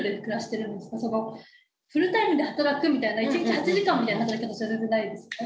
フルタイムで働くみたいな１日８時間みたいな働き方されてないですよね？